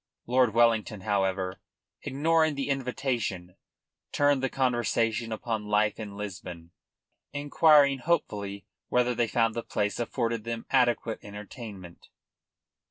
Lord Wellington, however, ignoring the invitation, turned the conversation upon life in Lisbon, inquiring hopefully whether they found the place afforded them adequate entertainment.